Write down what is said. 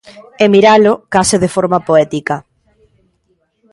E miralo case de forma poética.